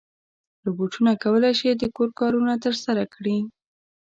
روبوټونه کولی شي د کور کارونه ترسره کړي.